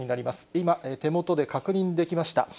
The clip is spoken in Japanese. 今、手元で確認できました。